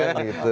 ya kan gitu